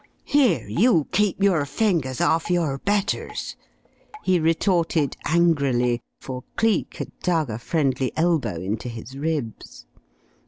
"Here, you keep your fingers off your betters!" he retorted angrily, for Cleek had dug a friendly elbow into his ribs.